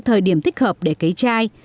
thời điểm thích hợp để cấy chai